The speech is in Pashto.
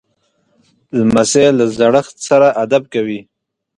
لمسی له زړښت سره ادب کوي.